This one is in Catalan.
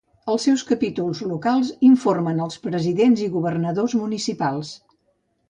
Els seus capítols locals informen els presidents i governadors municipals.